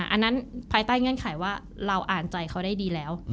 อันนั้นภายใต้เงื่อนไขว่าเราอ่านใจเขาได้ดีแล้ว